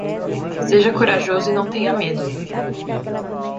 Seja corajoso e não tenha medo.